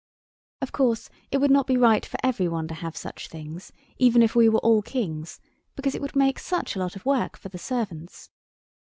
Of course, it would not be right for every one to have such things, even if we were all kings because it would make such a lot of work for the servants.